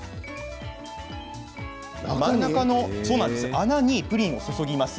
真ん中の穴にプリンを注ぎます。